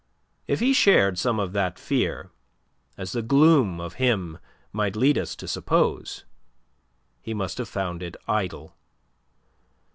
If he shared some of that fear, as the gloom of him might lead us to suppose, he must have found it idle.